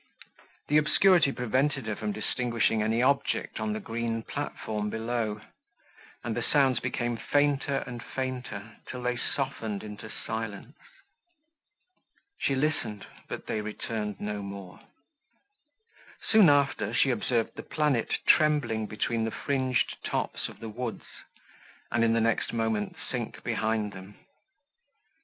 The obscurity prevented her from distinguishing any object on the green platform below; and the sounds became fainter and fainter, till they softened into silence. She listened, but they returned no more. Soon after, she observed the planet trembling between the fringed tops of the woods, and, in the next moment, sink behind them.